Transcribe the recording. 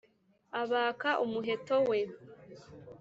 abaka umuheto we,